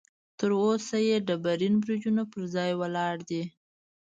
تر اوسه یې ډبرین برجونه پر ځای ولاړ دي.